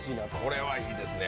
これはいいですね。